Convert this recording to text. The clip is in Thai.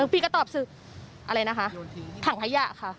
พี่ก็ตอบศึกอะไรนะคะถังขยะค่ะ